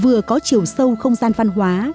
vừa có chiều sâu không gian văn hóa